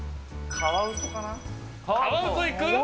カワウソいく？